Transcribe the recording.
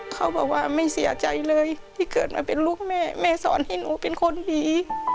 เขาบอกว่าไม่เสียใจเลยที่เกิดมาเป็นลูกแม่แม่สอนให้หนูเป็นคนดี